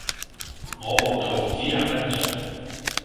我和桃子也跟著